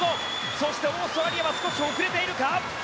そしてオーストラリアは少し遅れているか。